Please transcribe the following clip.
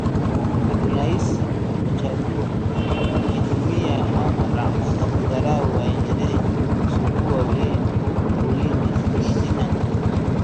unahisi atachagua kukitumia ama atakudharau aendelee kusugua ulindi na